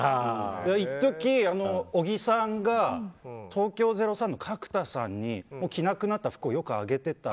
一時、小木さんが東京０３の角田さんに着なくなった服をよくあげてた。